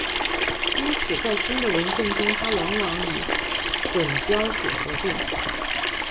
因此在新的文献中它往往与隼雕属合并。